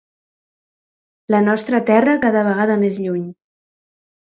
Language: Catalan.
La nostra terra cada vegada més lluny.